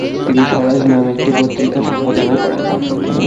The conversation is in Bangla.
তিনি স্বরাজ নামে একটি পত্রিকা সম্পাদনা করেন।